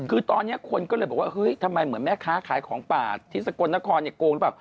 คือตอนนี้คนก็เลยบอกว่าเห้ยทำไมผมแม่ค้าขายของป่าทิศกรนครโกงหรือป่ะ